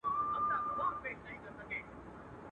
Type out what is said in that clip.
د خوشالۍ ياران ډېر وي.